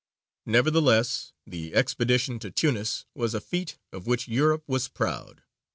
Nevertheless, the expedition to Tunis was a feat of which Europe was proud.